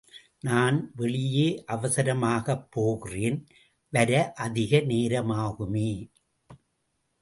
நான் வெளியே அவசரமாகப் போகிறேன், வர அதிக நேரமாகுமே!